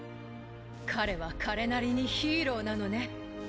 彼は彼なりにヒーローなのね。